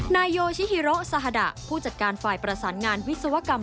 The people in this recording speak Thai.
นายโยชิฮิโรซาฮาดะผู้จัดการฝ่ายประสานงานวิศวกรรม